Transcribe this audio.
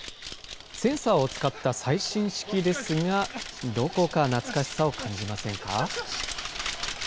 センサーを使った最新式ですが、どこか懐かしさを感じませんか？